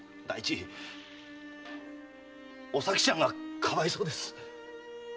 第一おさきちゃんがかわいそうです！